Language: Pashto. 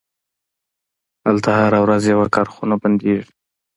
هلته هره ورځ یوه کارخونه بندیږي